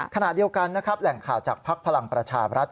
ขณะเดียวกันนะครับแหล่งข่าวจากภักดิ์พลังประชาบรัฐ